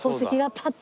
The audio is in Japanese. パッと？